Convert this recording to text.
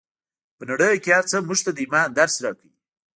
په نړۍ کې هر څه موږ ته د ايمان درس راکوي.